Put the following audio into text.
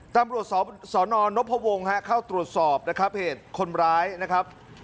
ตั้งบริษัทสนนพวงศ์เข้าตรวจสอบเพศคนร้ายนะครับ